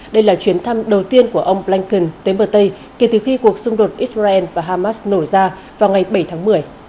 đây là chuyến thăm đầu tiên của ông blinken tới bờ tây kể từ khi cuộc xung đột israel và hamas nổ ra vào ngày bảy tháng một mươi